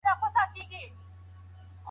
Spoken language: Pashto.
وخت تېر سي بيرته نه راځي